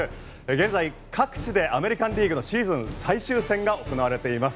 現在各地でアメリカンリーグのシーズン最終戦が行われています。